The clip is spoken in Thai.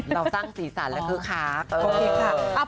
เราสร้างสีสันแล้วก็คาด